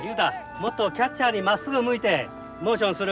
もっとキャッチャーにまっすぐ向いてモーションする。